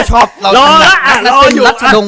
เฮ้ยเล่นเดี๋ยวเชิง